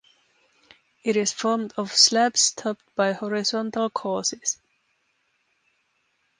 It is formed of slabs topped by horizontal courses.